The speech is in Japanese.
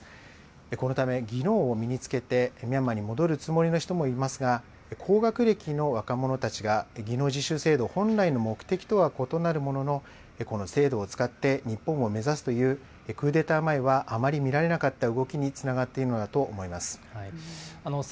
このため、技能を身に着けて、ミャンマーに戻るつもりの人もいますが、高学歴の若者たちが技能実習制度本来の目的とは異なるものの、この制度を使って日本を目指すという、クーデター前はあまり見られなかった動きにつながっているのだと思います。